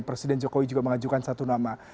presiden jokowi juga mengajukan satu nama